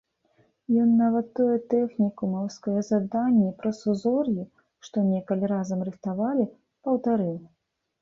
Ён нават тое тэхнікумаўскае заданне пра сузор'і, што некалі разам рыхтавалі, паўтарыў.